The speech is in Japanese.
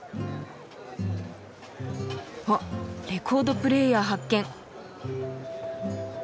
あっレコードプレーヤー発見。